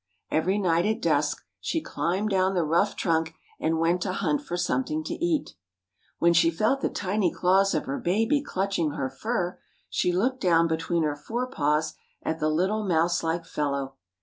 Every night at dusk she climbed down the rough trunk and went to hunt for something to eat. When she felt the tiny claws of her baby clutching her fur she looked down between her fore paws at the little mouse like fellow.